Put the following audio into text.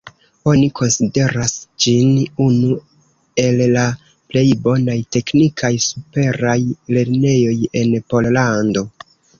Oni konsideras ĝin unu el la plej bonaj teknikaj superaj lernejoj en Pollando.